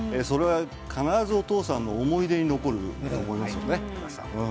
必ず、お父さんの思い出に残りますよね。